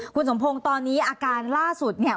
คุณสมพงศ์ตอนนี้อาการล่าสุดเนี่ย